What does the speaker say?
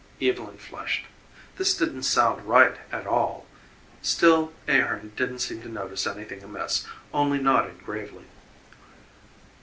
Evylyn flushed. This didn't sound right at all. Still Ahearn didn't seem to notice anything amiss, only nodded gravely.